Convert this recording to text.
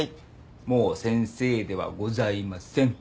もう先生ではございません。